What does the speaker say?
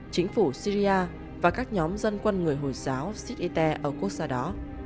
chính phủ syria và các nhóm dân quân người hồi giáo sidi teh ở quốc gia đó